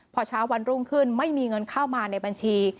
พอเช้าวันรุ่งขึ้นไม่มีเงินเข้ามาในบัญชี